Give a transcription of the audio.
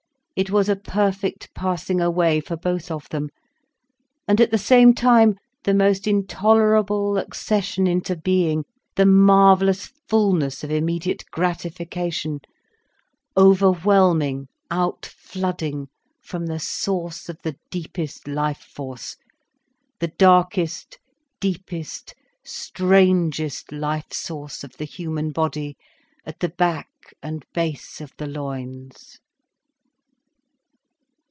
It was a perfect passing away for both of them, and at the same time the most intolerable accession into being, the marvellous fullness of immediate gratification, overwhelming, out flooding from the source of the deepest life force, the darkest, deepest, strangest life source of the human body, at the back and base of the loins.